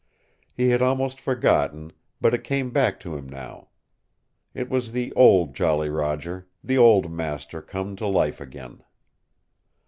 He had almost forgotten but it came back to him now. It was the old Jolly Roger the old master come to life again.